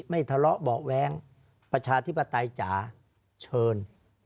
ไม่ทะเลาะเบาะแว้งประชาธิปไตยจ๋าเชิญ